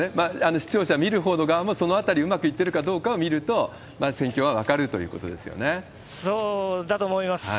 視聴者、見るほうの側もそのあたり、うまくいってるかどうか見ると、そうだと思います。